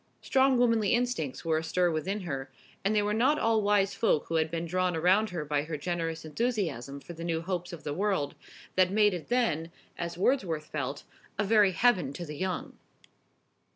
Strong womanly instincts were astir within her, and they were not all wise folk who had been drawn around her by her generous enthusiasm for the new hopes of the world, that made it then, as Wordsworth felt, a very heaven to the young.